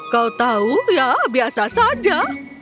kau tahu ya biasa saja